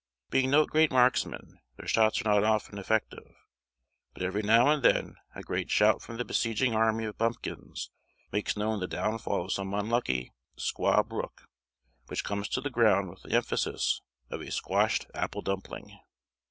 Being no great marksmen, their shots are not often effective; but every now and then a great shout from the besieging army of bumpkins makes known the downfall of some unlucky, squab rook, which comes to the ground with the emphasis of a squashed apple dumpling.